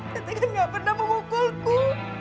teteh kan tidak pernah mengukulku